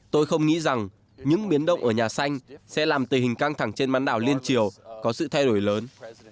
tôi không nghĩ rằng những biến động ở nhà xanh sẽ làm tình hình căng thẳng trên bán đảo liên triều có sự thay đổi lớn